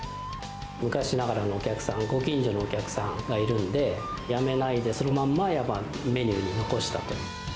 昔ながらのお客さん、ご近所のお客さんがいるんで、やめないで、そのまんま、やっぱメニューに残したと。